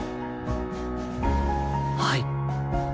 はい。